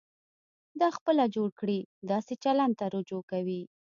دا خپله جوړ کړي داسې چلند ته رجوع کوي.